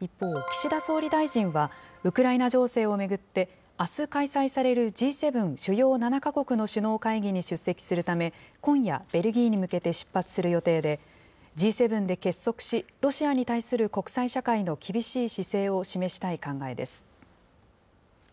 一方、岸田総理大臣は、ウクライナ情勢を巡って、あす開催されるＧ７・主要７か国の首脳会議に出席するため、今夜、ベルギーに向けて出発する予定で、Ｇ７で結束し、ロシアに対する国際社会の厳しい姿勢を示したい考えです。